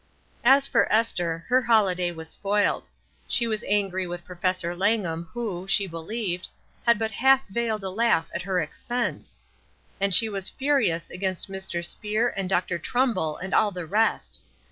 As for Esther, her holiday was spoiled. She was angry with Professor Langham who, she believed, had but half veiled a laugh at her expense, and she was furious against Mr. Speer and Dr. Trumbull and all the rest.